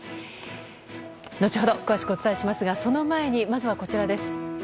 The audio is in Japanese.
後ほど、詳しくお伝えしますがその前に、まずはこちらです。